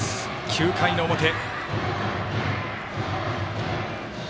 ９回の表。